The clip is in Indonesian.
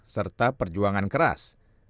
serta perjuangan keras